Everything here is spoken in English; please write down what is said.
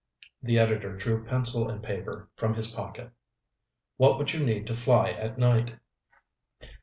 The editor drew pencil and paper from his pocket. "What would you need to fly at night?"